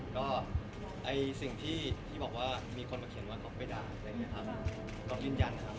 ก็สิ่งที่บอกว่ามีคนมาเขียนว่าก็ไม่ได้อะไรอย่างนี้ครับเรายืนยันครับ